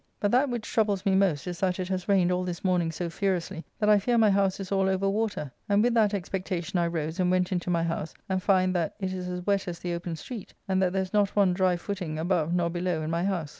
But that which troubles me most is that it has rained all this morning so furiously that I fear my house is all over water, and with that expectation I rose and went into my house and find that it is as wet as the open street, and that there is not one dry footing above nor below in my house.